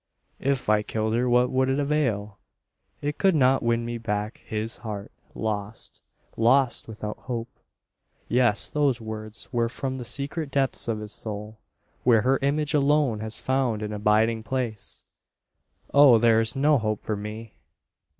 "If I killed her, what would it avail? It could not win me back his heart lost, lost, without hope! Yes; those words were from the secret depths of his soul; where her image alone has found an abiding place! Oh! there is no hope for me!